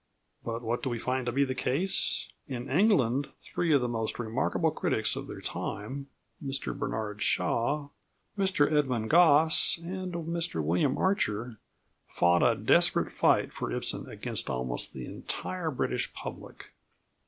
But what do we find to be the case? In England three of the most remarkable critics of their time, Mr Bernard Shaw, Mr Edmund Gosse, and Mr William Archer, fought a desperate fight for Ibsen against almost the entire British public.